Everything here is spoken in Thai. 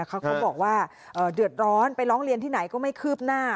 เขาบอกว่าเดือดร้อนไปร้องเรียนที่ไหนก็ไม่คืบหน้า